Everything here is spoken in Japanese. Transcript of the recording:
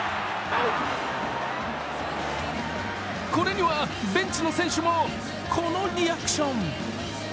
これには、ベンチの選手もこのリアクション。